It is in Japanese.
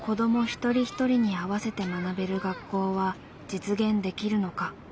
一人一人に合わせて学べる学校は実現できるのか。